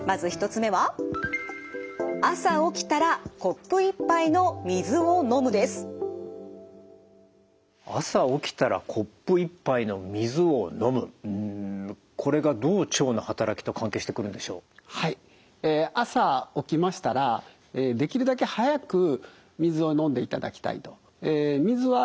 え朝起きましたらできるだけ早く水を飲んでいただきたいと。